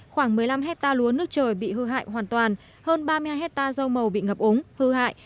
khoảng một mươi năm hectare lúa nước trời bị hư hại hoàn toàn hơn ba mươi hai hectare rau màu bị ngập úng hư hại